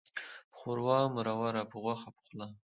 په ښوروا مروره، په غوښه پخلا.